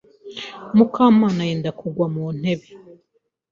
Mukakamana yenda kugwa ku ntebe.